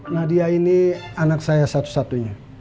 nadia ini anak saya satu satunya